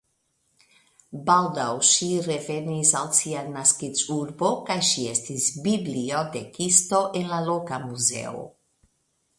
Baldaŭ ŝi revenis al sia naskiĝurbo kaj ŝi estis bibliotekisto de la loka muzeo.